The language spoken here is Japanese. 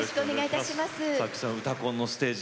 「うたコン」のステージ